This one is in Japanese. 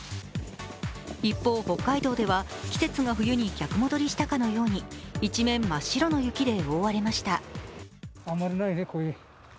一方、北海道では季節が冬に逆戻りしたかのように一面真っ白の雪で覆われました。